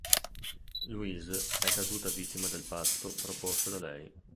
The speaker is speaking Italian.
Louise è caduta vittima del patto proposto da lei.